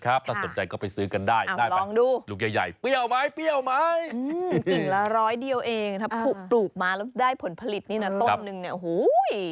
แล้วของสวนเขายืนยันว่ามันเปรี้ยวดู